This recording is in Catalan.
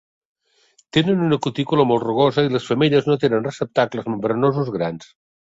Tenen una cutícula molt rugosa i les femelles no tenen receptacles membranosos grans.